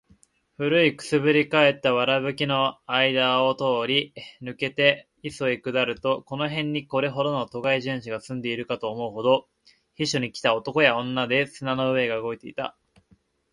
古い燻（くす）ぶり返った藁葺（わらぶき）の間あいだを通り抜けて磯（いそ）へ下りると、この辺にこれほどの都会人種が住んでいるかと思うほど、避暑に来た男や女で砂の上が動いていた。